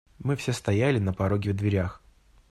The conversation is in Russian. Мы все стояли на пороге в дверях.